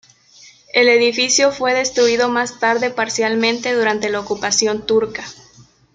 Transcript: El edificio fue destruido más tarde parcialmente durante la ocupación turca.